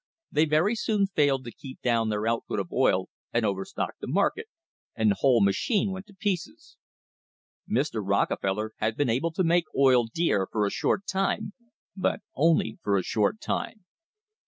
They very soon failed to keep down their out put of oil and overstocked the market, and the whole machine went to pieces. Mr. Rockefeller had been able to make oil dear for a short time, but only for a short time.